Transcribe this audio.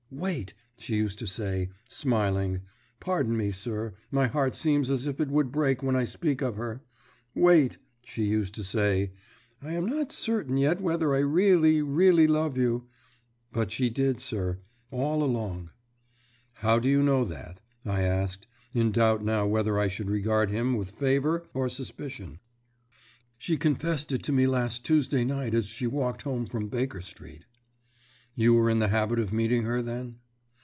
'Wait,' she used to say, smiling pardon me, sir; my heart seems as if it would break when I speak of her 'Wait,' she used to say, 'I am not certain yet whether I really, really love you.' But she did, sir, all along." "How do you know that?" I asked, in doubt now whether I should regard him with favour or suspicion. "She confessed it to me last Tuesday night as she walked home from Baker Street." "You were in the habit of meeting her, then?"